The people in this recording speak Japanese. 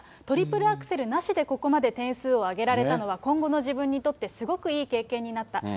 トリプルアクセルなしでここまで点数を上げられたのは、今後の自分にとってすごくいい経験になった。